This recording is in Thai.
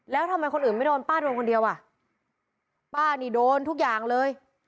แล้วทำไมคนอื่นไม่โดนป้าโดนคนเดียวอ่ะป้านี่โดนทุกอย่างเลย